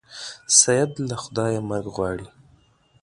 سید له خدایه مرګ غواړي.